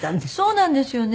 そうなんですよね。